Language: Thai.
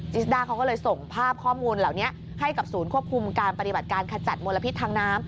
สด้าเขาก็เลยส่งภาพข้อมูลเหล่านี้ให้กับศูนย์ควบคุมการปฏิบัติการขจัดมลพิษทางน้ำ